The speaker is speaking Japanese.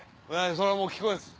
そりゃもう聞こえます。